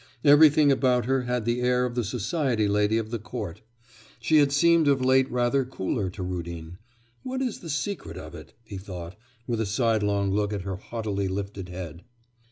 Everything about her had the air of the society lady of the court. She had seemed of late rather cooler to Rudin. 'What is the secret of it?' he thought, with a sidelong look at her haughtily lifted head.